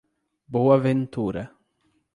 Boa Ventura